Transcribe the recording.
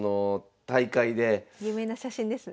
有名な写真ですね。